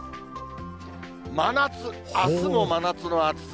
真夏、あすも真夏の暑さ。